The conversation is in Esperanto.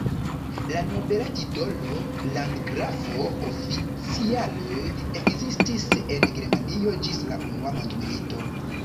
La nobela titolo "landgrafo" oficiale ekzistis en Germanio ĝis la Unua Mondmilito.